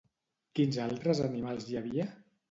Quins altres animals hi havia?